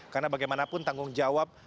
karena bagaimanapun tanggung jawab